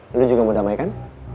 lo juga mau damai kan